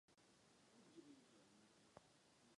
Musí dojít k posílení dopravní a energetické politiky.